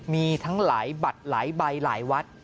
มีทั้งหลายบัตรหลายใบหลายวัด